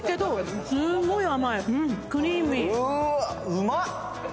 うまっ！